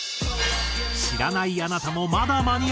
知らないあなたもまだ間に合う。